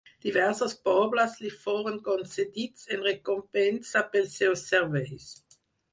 Diversos pobles li foren concedits en recompensa pels seus serveis.